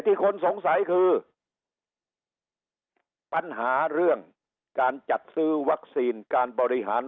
คนสงสัยคือปัญหาเรื่องการจัดซื้อวัคซีนการบริหาร